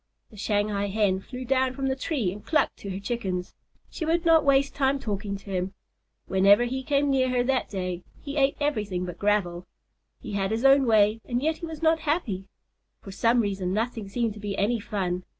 The Shanghai Hen flew down from the tree and clucked to her Chickens. She would not waste time talking to him. Whenever he came near her that day, he ate everything but gravel. He had his own way and yet he was not happy. For some reason, nothing seemed to be any fun.